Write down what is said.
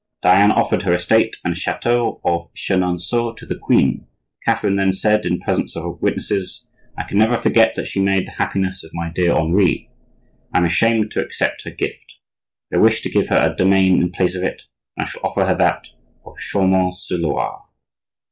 Diane offered her estate and chateau of Chenonceaux to the queen. Catherine then said, in presence of witnesses:— "I can never forget that she made the happiness of my dear Henri. I am ashamed to accept her gift; I wish to give her a domain in place of it, and I shall offer her that of Chaumont sur Loire."